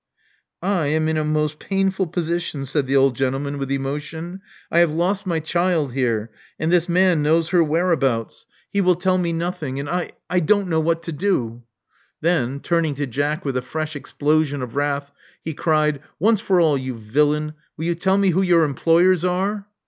I am in a most painful position," said the old gentleman, with emotion. I have lost my child here; and this man knows her whereabouts. He will tell Love Among the Artists 71 me nothing; and I — I don't know what to do." Then, turning to Jack with a fresh explosion of wrath, he cried, Once for all, you villain, will you tell me who your employers are?